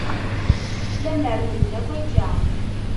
Lemmer medden akk akka.